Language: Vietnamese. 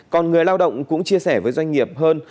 còn người lao động cũng chia sẻ với doanh nghiệp hơn